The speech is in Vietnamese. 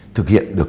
thực hiện được